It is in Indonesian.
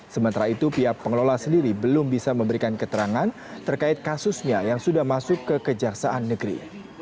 sementara itu pihak pengelola sendiri belum bisa memberikan keterangan terkait kasusnya yang sudah masuk ke kejaksaan negeri